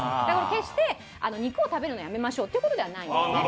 決して肉を食べるのをやめましょうということではないんですね。